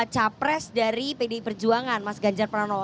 capres dari pdi perjuangan mas ganjar pranowo